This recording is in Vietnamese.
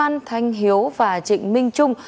nguyễn hiếu và trịnh minh trung